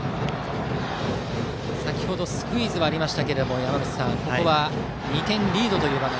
先程、スクイズはありましたがここは２点リードという場面